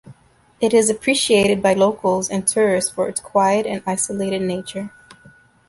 It is appreciated by locals and tourists for its quiet and isolated nature.